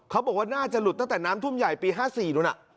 เขาบอกว่าน่าจะหลุดตั้งแต่น้ำทุ่มใหญ่ปี๕๔นู้น